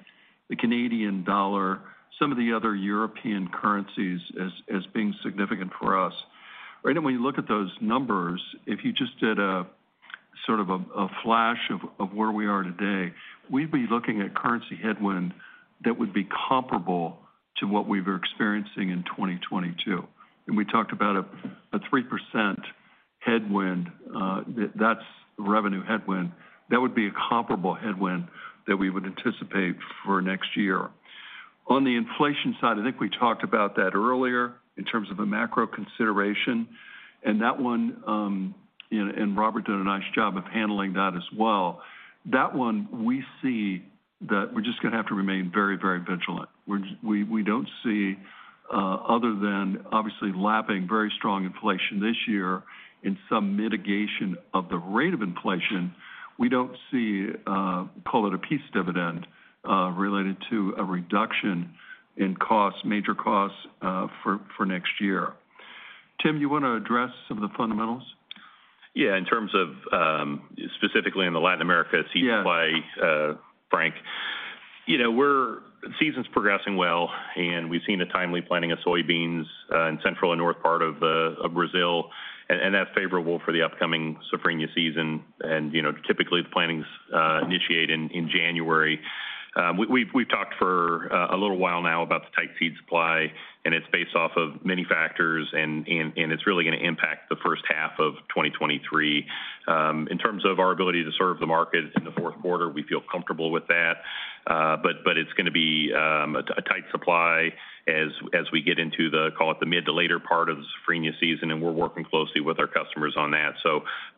the Canadian dollar, some of the other European currencies as being significant for us. Right now when you look at those numbers, if you just did a sort of a flash of where we are today, we'd be looking at currency headwind that would be comparable to what we were experiencing in 2022. We talked about a 3% headwind, that's revenue headwind. That would be a comparable headwind that we would anticipate for next year. On the inflation side, I think we talked about that earlier in terms of a macro consideration, and that one, you know, and Robert did a nice job of handling that as well. That one, we see that we're just gonna have to remain very, very vigilant. We don't see, other than obviously lapping very strong inflation this year in some mitigation of the rate of inflation, we don't see, call it a peace dividend, related to a reduction in costs, major costs, for next year. Tim, you wanna address some of the fundamentals? Yeah. In terms of, specifically in the Latin America seed supply- Yeah Frank, you know, season's progressing well and we've seen a timely planting of soybeans in central and north part of Brazil and that's favorable for the upcoming Safrinha season and, you know, typically the plantings initiate in January. We've talked for a little while now about the tight seed supply, and it's based off of many factors and it's really gonna impact the first half of 2023. In terms of our ability to serve the market in the fourth quarter, we feel comfortable with that. But it's gonna be a tight supply as we get into the mid to later part of Safrinha season, and we're working closely with our customers on that.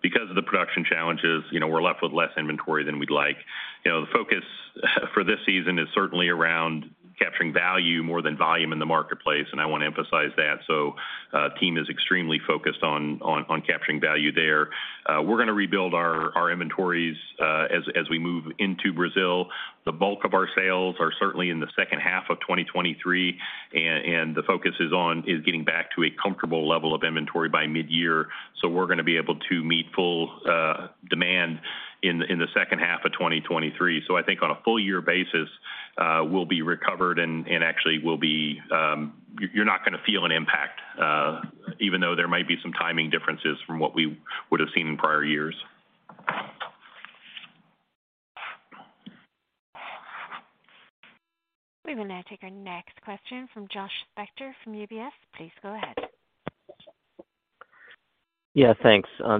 Because of the production challenges, you know, we're left with less inventory than we'd like. You know, the focus for this season is certainly around capturing value more than volume in the marketplace, and I wanna emphasize that. Team is extremely focused on capturing value there. We're gonna rebuild our inventories as we move into Brazil. The bulk of our sales are certainly in the second half of 2023 and the focus is on getting back to a comfortable level of inventory by mid-year. We're gonna be able to meet full demand in the second half of 2023. I think on a full year basis, we'll be recovered and actually we'll be. You're not gonna feel an impact, even though there might be some timing differences from what we would have seen in prior years. We will now take our next question from Joshua Spector from UBS. Please go ahead.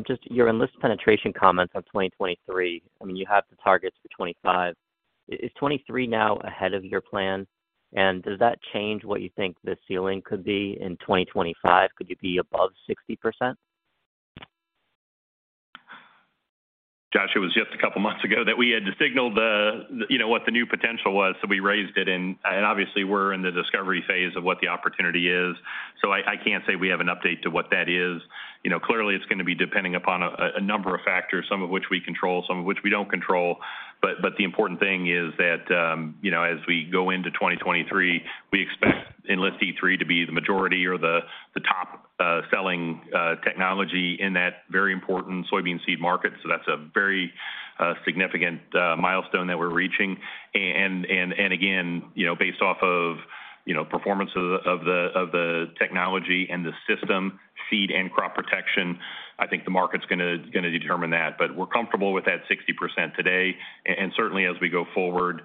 Just your Enlist penetration comments on 2023. I mean, you have the targets for 2025. Is 2023 now ahead of your plan? Does that change what you think the ceiling could be in 2025? Could you be above 60%? Josh, it was just a couple of months ago that we had to signal the, you know, what the new potential was. We raised it and obviously we're in the discovery phase of what the opportunity is. I can't say we have an update to what that is. You know, clearly it's gonna be depending upon a number of factors, some of which we control, some of which we don't control. The important thing is that, you know, as we go into 2023, we expect Enlist E3 to be the majority or the top selling technology in that very important soybean seed market. That's a very significant milestone that we're reaching. Again, you know, based off of, you know, performance of the technology and the system, seed and crop protection, I think the market's gonna determine that. We're comfortable with that 60% today. Certainly as we go forward,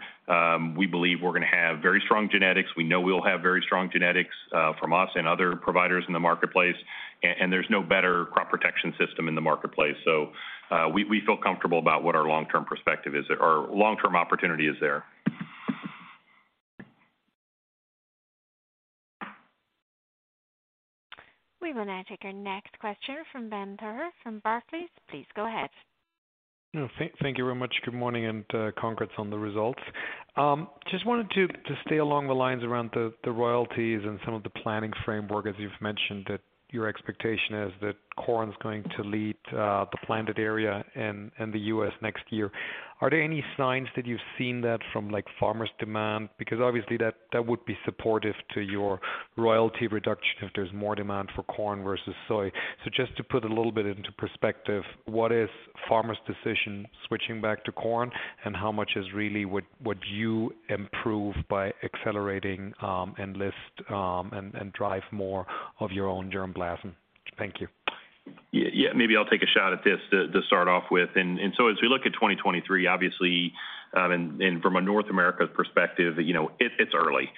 we believe we're gonna have very strong genetics. We know we'll have very strong genetics from us and other providers in the marketplace. There's no better crop protection system in the marketplace. We feel comfortable about what our long-term perspective is or our long-term opportunity is there. We will now take our next question from Ben Theurer from Barclays. Please go ahead. No, thank you very much. Good morning and congrats on the results. Just wanted to stay along the lines around the royalties and some of the planning framework as you've mentioned that your expectation is that corn's going to lead the planted area in the U.S. next year. Are there any signs that you've seen that from like farmers' demand? Because obviously that would be supportive to your royalty reduction if there's more demand for corn versus soy. Just to put a little bit into perspective, what is farmers' decision switching back to corn, and how much would you really improve by accelerating Enlist and drive more of your own germplasm? Thank you. Yeah, maybe I'll take a shot at this to start off with. As we look at 2023, obviously, from a North America perspective, it's early.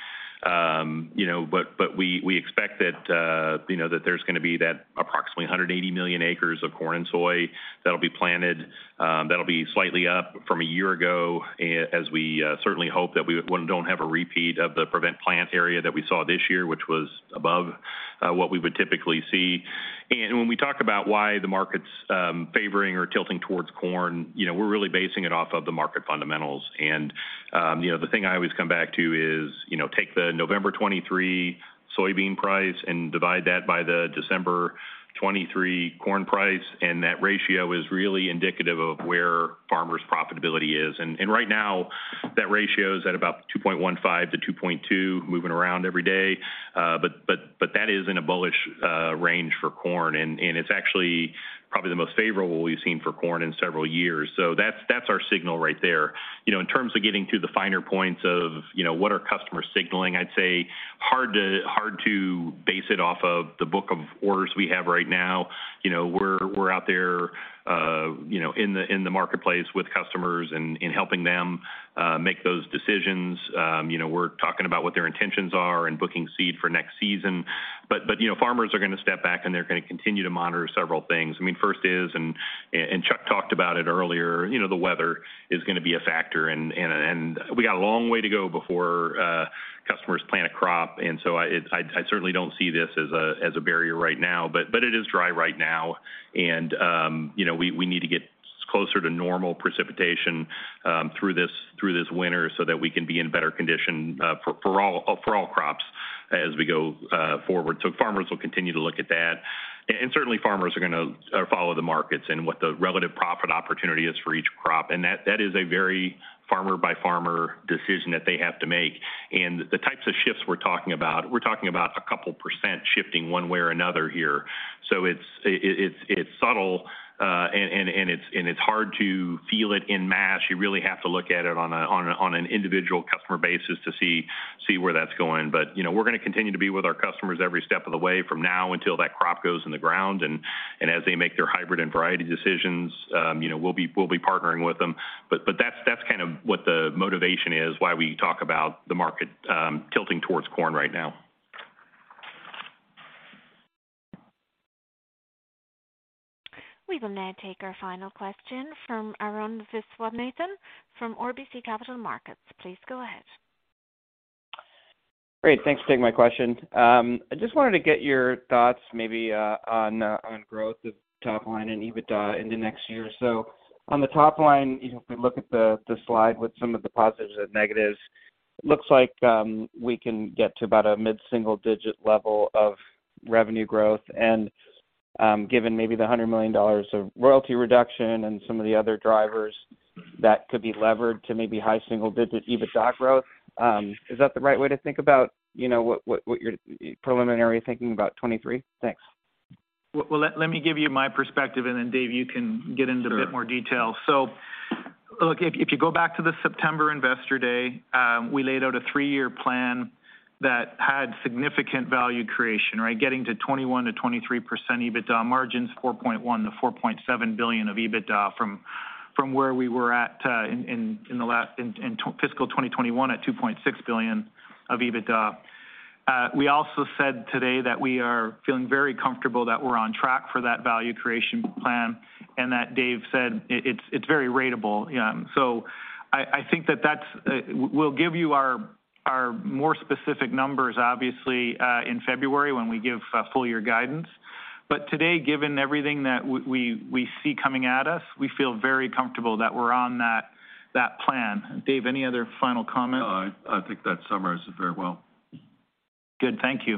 We expect that there's gonna be approximately 180 million acres of corn and soy that'll be planted, that'll be slightly up from a year ago as we certainly hope that we don't have a repeat of the prevent plant area that we saw this year, which was above what we would typically see. When we talk about why the market's favoring or tilting towards corn, we're really basing it off of the market fundamentals. you know, the thing I always come back to is, you know, take the November 2023 soybean price and divide that by the December 2023 corn price, and that ratio is really indicative of where farmers' profitability is. Right now, that ratio is at about 2.15-2.2, moving around every day. but that is in a bullish range for corn, and it's actually probably the most favorable we've seen for corn in several years. So that's our signal right there. You know, in terms of getting to the finer points of, you know, what are customers signaling? I'd say hard to base it off of the book of orders we have right now. You know, we're out there, you know, in the marketplace with customers and helping them make those decisions. You know, we're talking about what their intentions are and booking seed for next season. You know, farmers are gonna step back and they're gonna continue to monitor several things. I mean, first is, and Chuck talked about it earlier, you know, the weather is gonna be a factor and we got a long way to go before customers plant a crop. I certainly don't see this as a barrier right now, but it is dry right now. You know, we need to get closer to normal precipitation through this winter so that we can be in better condition for all crops as we go forward. Farmers will continue to look at that. Certainly farmers are gonna follow the markets and what the relative profit opportunity is for each crop. That is a very farmer-by-farmer decision that they have to make. The types of shifts we're talking about a couple% shifting one way or another here. It's subtle, and it's hard to feel it en masse. You really have to look at it on an individual customer basis to see where that's going. You know, we're gonna continue to be with our customers every step of the way from now until that crop goes in the ground. As they make their hybrid and variety decisions, you know, we'll be partnering with them. That's kind of what the motivation is, why we talk about the market tilting towards corn right now. We will now take our final question from Arun Viswanathan from RBC Capital Markets. Please go ahead. Great. Thanks for taking my question. I just wanted to get your thoughts maybe on growth of top line and EBITDA into next year. On the top line, you know, if we look at the slide with some of the positives and negatives, it looks like we can get to about a mid-single-digit level of revenue growth and, given maybe the $100 million of royalty reduction and some of the other drivers that could be levered to maybe high single-digit EBITDA growth. Is that the right way to think about, you know, what you're preliminary thinking about 2023? Thanks. Well, let me give you my perspective, and then Dave, you can get into. Sure. A bit more detail. Look, if you go back to the September investor day, we laid out a three-year plan that had significant value creation, right? Getting to 21%-23% EBITDA margins, $4.1 billion-$4.7 billion of EBITDA from where we were at in fiscal 2021 at $2.6 billion of EBITDA. We also said today that we are feeling very comfortable that we're on track for that value creation plan and that Dave said it's very ratable. I think that's. We'll give you our more specific numbers, obviously, in February when we give full year guidance. Today, given everything that we see coming at us, we feel very comfortable that we're on that plan. Dave, any other final comments? No, I think that summarizes it very well. Good. Thank you.